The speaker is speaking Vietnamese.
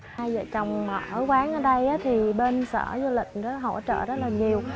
hai vợ chồng ở quán ở đây bên sở du lịch hỗ trợ rất nhiều